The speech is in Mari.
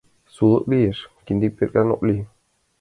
Сулык лиеш, киндет перкан ок лий...